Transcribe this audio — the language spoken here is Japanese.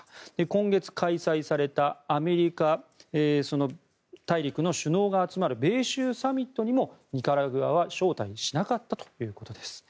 今月開催されたアメリカ大陸の首脳が集まる米州サミットにもニカラグアは招待しなかったということです。